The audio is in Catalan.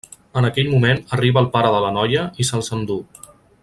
En aquell moment arriba el pare de la noia i se’ls enduu.